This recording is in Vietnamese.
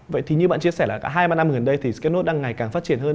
vậy thì như bạn chia sẻ là cả hai ba năm gần đây thì skot đang ngày càng phát triển hơn